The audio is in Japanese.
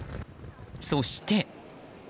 そして。